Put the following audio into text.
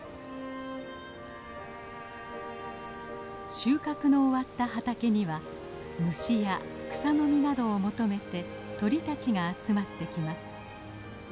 収穫の終わった畑には虫や草の実などを求めて鳥たちが集まってきます。